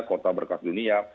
kota berkelas dunia